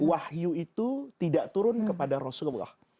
wahyu itu tidak turun kepada rasulullah